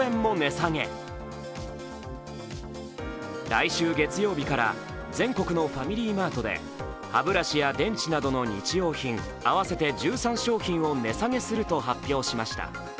来週月曜日から全国のファミリーマートで、歯ブラシや電池などの日用品合わせて１３商品を値下げすると発表しました。